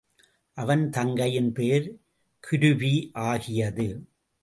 அவன் தங்கையின் பெயர் கிருபி ஆகியது.